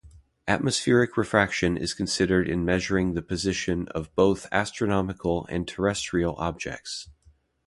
Atmospheric refraction is considered in measuring the position of both astronomical and terrestrial objects.